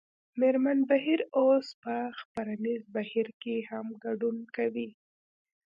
مېرمن بهیر اوس په خپرنیز بهیر کې هم ګډون کوي